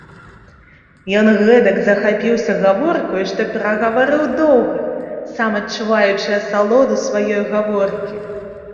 Ён гэтак захапіўся гаворкаю, што прагаварыў доўга, сам адчуваючы асалоду сваёй гаворкі.